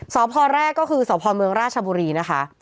สพแรกก็คือสพเมืองราชบุรีนะคะ